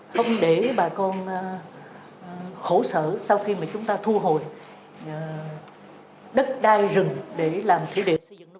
không để bà con khổ sở sau khi mà chúng ta thu hồi đất đai rừng để làm thủy điện